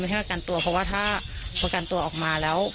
ให้ประกันตัวเพราะว่าถ้าประกันตัวออกมาแล้ว